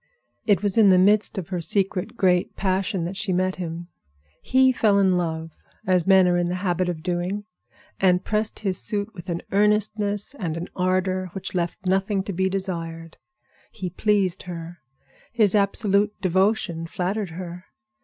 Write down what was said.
It was in the midst of her secret great passion that she met him. He fell in love, as men are in the habit of doing, and pressed his suit with an earnestness and an ardor which left nothing to be desired. He pleased her; his absolute devotion flattered her.